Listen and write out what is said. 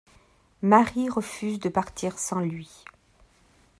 Marie refuse de partir sans lui.